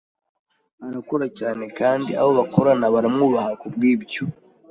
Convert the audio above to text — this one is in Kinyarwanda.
Arakora cyane, kandi abo bakorana baramwubaha kubwibyo.